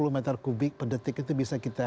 sepuluh meter kubik per detik itu bisa kita